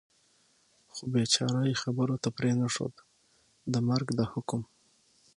خو بېچاره یې خبرو ته پرېنښود، د مرګ د حکم.